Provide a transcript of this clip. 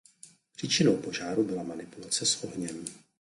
Příčinou požáru byla manipulace s ohněm.